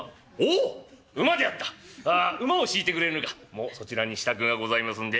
「もうそちらに支度がございますんで」。